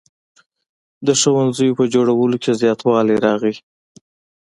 د ښوونځیو په جوړولو کې زیاتوالی راغی.